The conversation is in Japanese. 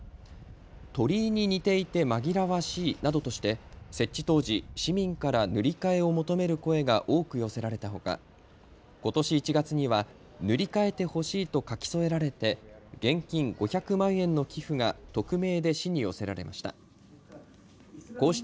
鳥居に似ていて紛らわしいなどとして設置当時、市民から塗り替えを求める声が多く寄せられたほかことし１月には塗り替えてほしいと書き添えられて現金５００万円の寄付が匿名で市に寄せられました。